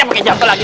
eh pake jam ke lagi